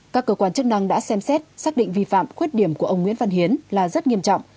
các cơ quan chức năng đã xem xét xác định vi phạm khuyết điểm của ông nguyễn văn hiến là rất nghiêm trọng